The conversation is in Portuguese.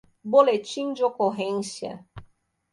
Boletim de ocorrência